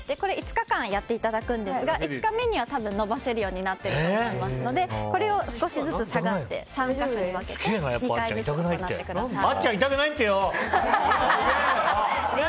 ５日間やっていただくんですが５日目には伸ばせるようになっていると思いますのでこれを少しずつ下がって３か所に分けて２回ずつ行ってください。